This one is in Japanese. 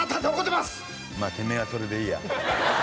まあてめえはそれでいいや。